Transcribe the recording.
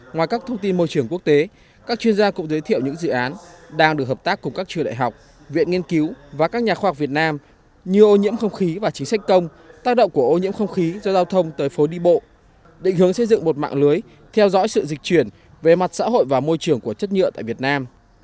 ngoài các thông tin môi trường quốc tế các chuyên gia cũng giới thiệu những dự án đang được hợp tác cùng các trường đại học viện nghiên cứu và các nhà khoa học việt nam như ô nhiễm không khí và chính sách công tác động của ô nhiễm không khí do giao thông tới phố đi bộ định hướng xây dựng một mạng lưới theo dõi sự dịch chuyển về mặt xã hội và môi trường của chất nhựa tại việt nam